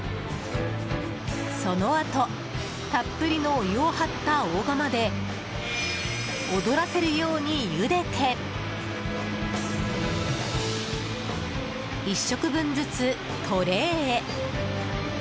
そのあと、たっぷりのお湯を張った大釜で踊らせるようにゆでて１食分ずつトレーへ。